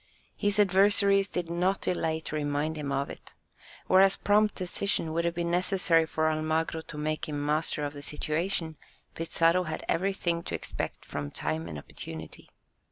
His adversaries did not delay to remind him of it. Whereas prompt decision would have been necessary for Almagro to make him master of the situation, Pizarro had everything to expect from time and opportunity.